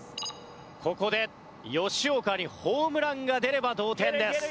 ここで吉岡にホームランが出れば同点です。